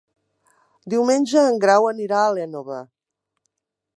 Diumenge en Grau anirà a l'Énova.